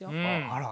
あら。